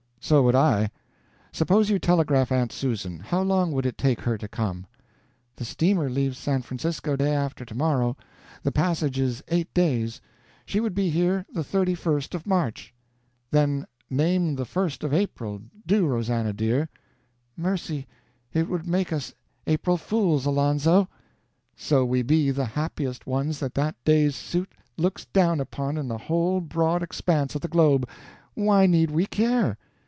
"So would I. Suppose you telegraph Aunt Susan. How long would it take her to come?" "The steamer leaves San Francisco day after tomorrow. The passage is eight days. She would be here the 31st of March." "Then name the 1st of April; do, Rosannah, dear." "Mercy, it would make us April fools, Alonzo!" "So we be the happiest ones that that day's suit looks down upon in the whole broad expanse of the globe, why need we care?